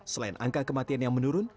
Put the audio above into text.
selain angka kematian yang menurun